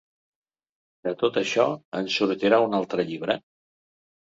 De tot això en sortirà un altre llibre?